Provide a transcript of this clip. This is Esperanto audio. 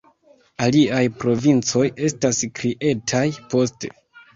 Aliaj provincoj estas kreitaj poste.